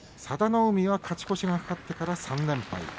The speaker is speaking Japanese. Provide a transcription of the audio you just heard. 佐田の海は、勝ち越しがかかってから３連敗。